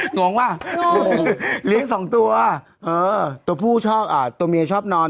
งงป่ะเลี้ยงสองตัวเออตัวผู้ชอบอ่ะตัวเมียชอบนอน